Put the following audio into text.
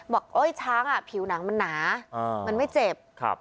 บอกนะช้างผิวหนังหนาแต่มันไม่เจ็บ